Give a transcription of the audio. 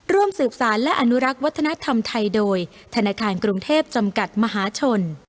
ร่วมสืบสารและอนุรักษ์วัฒนธรรมไทยโดยธนาคารกรุงเทพจำกัดมหาชน